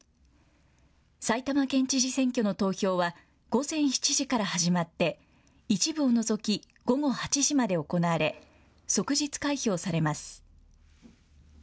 埼玉県知事選挙の投票は、午前７時から始まって、一部を除き午後８時まで行われ、即日開票されます。